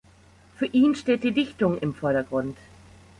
Für ihn steht die Dichtung im Vordergrund.